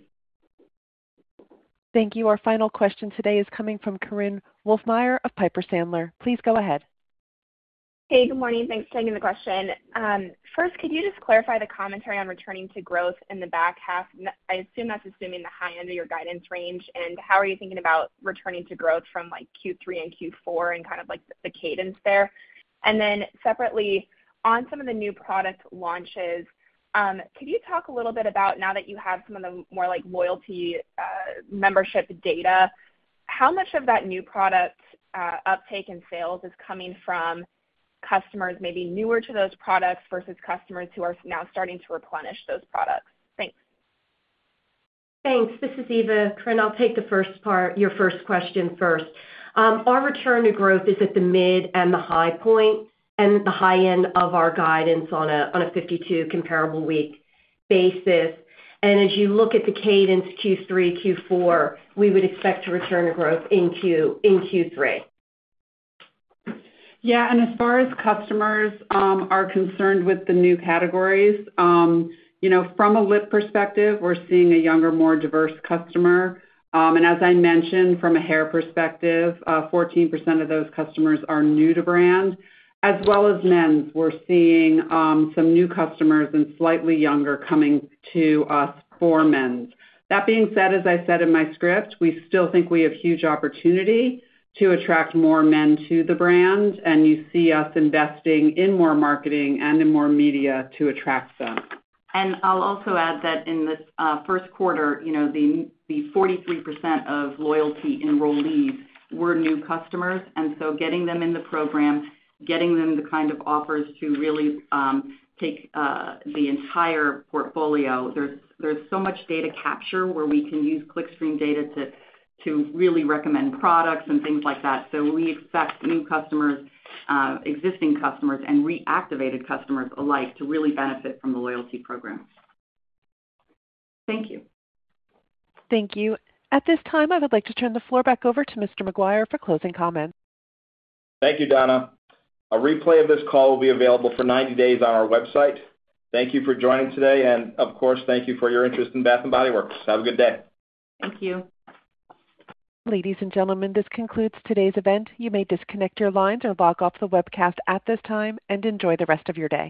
Thank you. Our final question today is coming from Korinne Wolfmeyer of Piper Sandler. Please go ahead. Hey, good morning. Thanks for taking the question. First, could you just clarify the commentary on returning to growth in the back half? I assume that's assuming the high end of your guidance range, and how are you thinking about returning to growth from, like, Q3 and Q4 and kind of, like, the cadence there? And then separately, on some of the new product launches, could you talk a little bit about now that you have some of the more like, loyalty, membership data, how much of that new product, uptake in sales is coming from customers maybe newer to those products versus customers who are now starting to replenish those products? Thanks. Thanks. This is Eva. Korinne, I'll take the first part, your first question first. Our return to growth is at the mid and the high point, and the high end of our guidance on a 52 comparable week basis. And as you look at the cadence Q3, Q4, we would expect to return to growth in Q3. Yeah, and as far as customers are concerned with the new categories, you know, from a lip perspective, we're seeing a younger, more diverse customer. As I mentioned, from a hair perspective, 14% of those customers are new to brand, as well as men's. We're seeing some new customers and slightly younger coming to us for men's. That being said, as I said in my script, we still think we have huge opportunity to attract more men to the brand, and you see us investing in more marketing and in more media to attract them. And I'll also add that in this first quarter, you know, the 43% of loyalty enrollees were new customers, and so getting them in the program, getting them the kind of offers to really take the entire portfolio, there's so much data capture where we can use clickstream data to really recommend products and things like that. So we expect new customers, existing customers, and reactivated customers alike to really benefit from the loyalty program. Thank you. Thank you. At this time, I would like to turn the floor back over to Mr. McGuire for closing comments. Thank you, Donna. A replay of this call will be available for 90 days on our website. Thank you for joining today, and of course, thank you for your interest in Bath & Body Works. Have a good day. Thank you. Ladies and gentlemen, this concludes today's event. You may disconnect your lines or log off the webcast at this time, and enjoy the rest of your day.